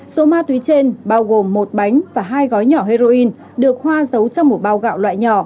số ma túy trên bao gồm một bánh và hai gói nhỏ heroin được hoa giấu trong một bao gạo loại nhỏ